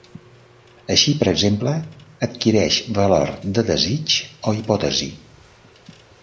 Així, per exemple, adquireix valor de desig o hipòtesi.